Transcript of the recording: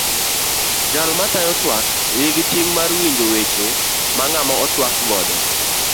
Jal matayo twak nigi ting' mar winjo weche ng'ama otwak godo.